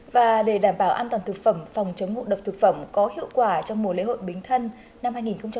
và để đảm bảo an toàn thực phẩm phòng chống ngụ độc thực phẩm có hiệu quả trong mùa lễ hội bình thân năm hai nghìn một mươi sáu